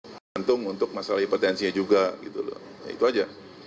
tergantung untuk masalah hipertensinya juga gitu loh ya itu aja